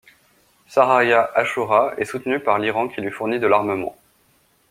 Saraya Ashura est soutenu par l'Iran qui lui fournit de l'armement.